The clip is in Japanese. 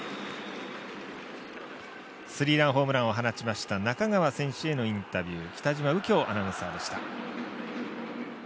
スリーランホームランを放ちました中川選手へのインタビュー北嶋右京アナウンサーでした。